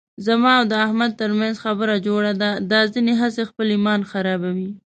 زما او د احمد ترمنځ خبره جوړه ده، دا ځنې هسې خپل ایمان خرابوي.